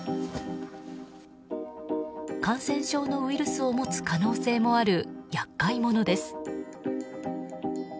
感染症のウイルスを持つ可能性もある厄介者です。